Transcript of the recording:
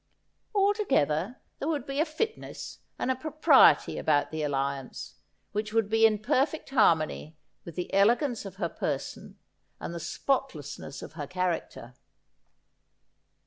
Altogether there would be a fitness and a propriety about the alliance, which would be in perfect harmony with the elegance of her person and the spotlessness of her 64 Asjjhodel. character.